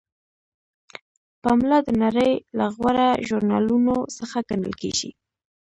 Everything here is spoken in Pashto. پملا د نړۍ له غوره ژورنالونو څخه ګڼل کیږي.